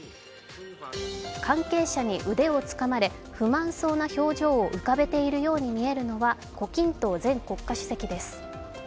関係者に腕をつかまれ不満そうな表情を浮かべているのは胡錦涛前国家主席です。